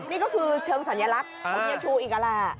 นี่ก็คือเชิงสัญลักษณ์ของเจ้าชูอิการ่า